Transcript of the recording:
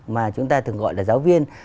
mà chúng ta thường gọi là giáo viên